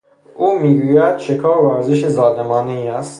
او میگوید شکار ورزش ظالمانهای است.